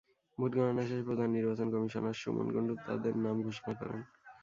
Vote গণনা শেষে প্রধান নির্বাচন কমিশনার সুমন কুণ্ডু তাঁদের নাম ঘোষণা করেন।